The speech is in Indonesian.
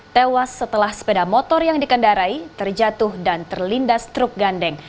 tewas setelah sepeda motor yang dikendarai terjatuh dan terlindas truk gandeng